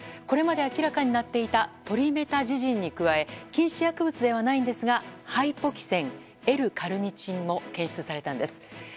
これまで明らかになっていたトリメタジジンに加え禁止薬物ではないんですがハイポキセン、Ｌ‐カルニチンも検出されたんです。